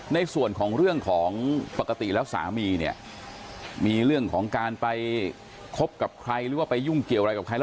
ในส่วนของเรื่องของปกติแล้วสามีเนี่ยมีเรื่องของการไปคบกับใครหรือว่าไปยุ่งเกี่ยวอะไรกับใครแล้ว